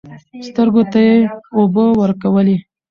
سترګو ته يې اوبه ورکولې .